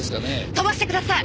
飛ばしてください！